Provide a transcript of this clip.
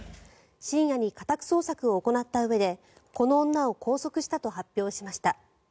深夜に家宅捜索を行ったうえでこの女を拘束したと発表しました。